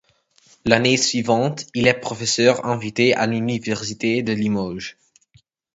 L'année suivante, il est professeur invité à l'Université de Limoges.